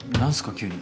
急に。